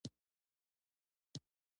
اوښ د افغان ځوانانو لپاره ډېره دلچسپي لري.